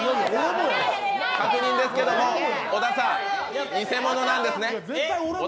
確認ですけども、小田さん、偽物なんですね？